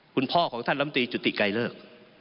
คุณพ่อของท่านลำตีจุติไกรเลิก